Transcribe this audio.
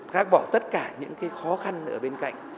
các bỏ tất cả những cái khó khăn ở bên cạnh